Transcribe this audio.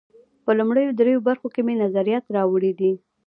په لومړیو درېیو برخو کې مې نظریات راوړي دي.